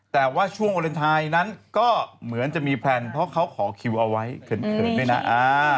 แต่ว่าช่วงวาเลนไทยนั้นก็เหมือนจะมีแพลนเพราะเขาขอคิวเอาไว้เขินด้วยนะ